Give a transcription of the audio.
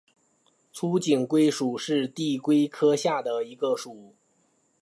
粗颈龟属是地龟科下的一个属。